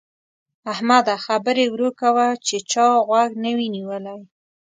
احمده! خبرې ورو کوه چې چا غوږ نه وي نيولی.